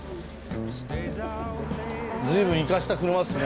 随分いかした車ですね。